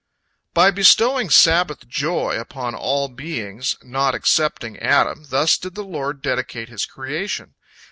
By bestowing Sabbath joy upon all beings, not excepting Adam, thus did the Lord dedicate His creation.